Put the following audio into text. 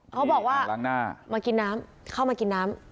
เขาบอกว่ามากินน้ำเข้ามากินน้ำ